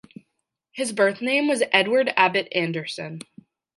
His birth name was Edward Abbot-Anderson.